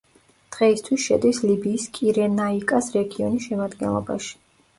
დღეისთვის შედის ლიბიის კირენაიკას რეგიონის შემადგენლობაში.